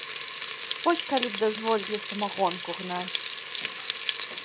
Вось калі б дазволілі самагонку гнаць!